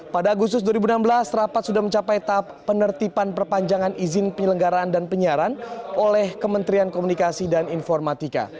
pada agustus dua ribu enam belas rapat sudah mencapai tahap penertiban perpanjangan izin penyelenggaraan dan penyiaran oleh kementerian komunikasi dan informatika